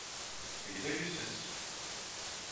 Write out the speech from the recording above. Tegla yes-s.